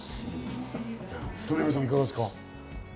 冨永さん、いかがですか？